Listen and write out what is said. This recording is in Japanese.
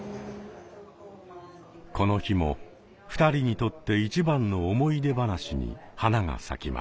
この日も２人にとって一番の思い出話に花が咲きます。